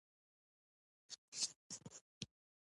موټر کې ځینې خلک خوب کوي.